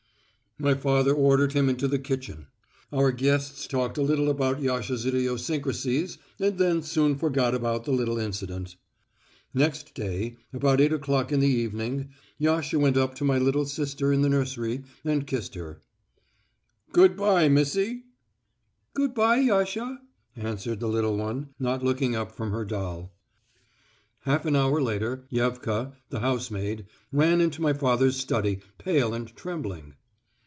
My father ordered him into the kitchen. Our guests talked a little about Yasha's idiosyncrasies and then soon forgot about the little incident. Next day, about eight o'clock in the evening, Yasha went up to my little sister in the nursery and kissed her. "Good bye, missy." "Good bye, Yasha," answered the little one, not looking up from her doll. Half an hour later Yevka, the housemaid, ran into my father's study, pale and trembling.